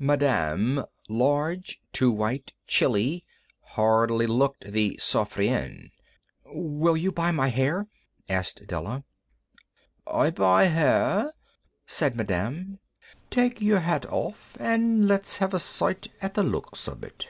Madame, large, too white, chilly, hardly looked the "Sofronie." "Will you buy my hair?" asked Della. "I buy hair," said Madame. "Take yer hat off and let's have a sight at the looks of it."